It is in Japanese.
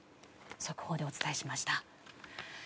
速報でお伝えしました。